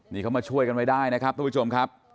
งี้เขามาช่วยกันไปได้นะครับทุบวิทสุมครับ